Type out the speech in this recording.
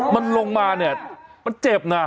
มันลงมามันเจ็บนะ